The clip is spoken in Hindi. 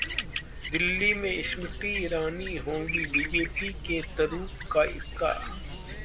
दिल्ली में स्मृति ईरानी होंगी बीजेपी के 'तुरुप का इक्का'